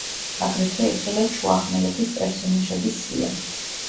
აგრეთვე იხილეთ შუახმელეთის პერსონაჟების სია.